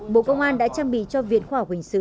bộ công an đã trang bị cho viện khỏa quỳnh sự